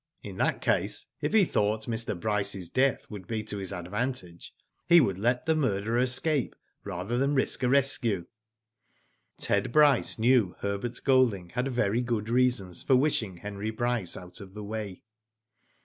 " In .that case, if he thought Mr. Bryce's death would be to his advantage he would let the murderer escape rather than risk a rescue." ' Ted Bryce knew Herbert* Golding had very good reasons for wishing Henry Bryce out of the way.